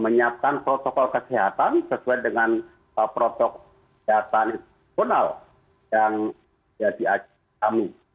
menyiasakan protokol kesehatan sesuai dengan protokol kesehatan yang diakui kami